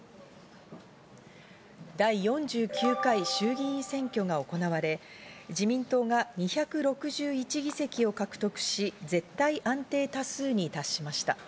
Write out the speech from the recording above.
第４９回衆議院選挙が行われ、自民党が２６１議席を獲得し、絶対安定多数に達しました。